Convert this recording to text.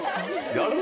やる？